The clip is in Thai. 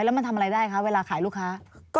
แล้วมันทำอะไรได้คะเวลาขายลูกค้า